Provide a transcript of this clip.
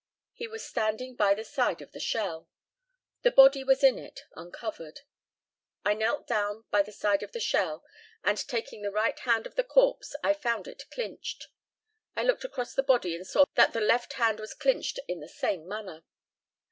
He was standing by the side of the shell. The body was in it, uncovered. I knelt down by the side of the shell, and, taking the right hand of the corpse I found it clinched. I looked across the body and saw that the left hand was clinched in the same manner.